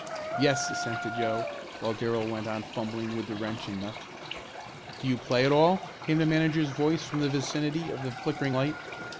"Yes," assented Joe, while Darrell went on fumbling with the wrench and nut. "Do you play at all?" came the manager's voice from the vicinity of the flickering light.